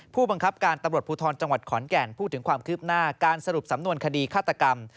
ผู้บังคับการตำรวจภูทรจังหวัดขอนแก่นพูดถึงความคืบหน้าการสรุปสำนวนคดีฆาตกรรม